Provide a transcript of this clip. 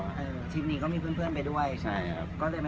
ชีวิตนี้ก็มีเพื่อนไปด้วยใช่ไหม